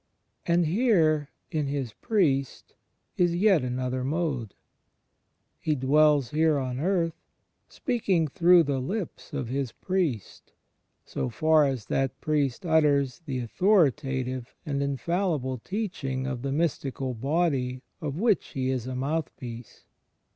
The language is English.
And here, in His Priest, is yet another mode. He dwells here on earth, speaking through the lips of His Priest, so far as that priest utters the authorita tive and infallible teaching of the Mystical Body of which he is a mouthpiece.